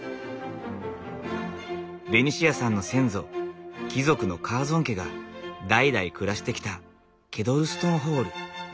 ベニシアさんの先祖貴族のカーゾン家が代々暮らしてきたケドルストンホール。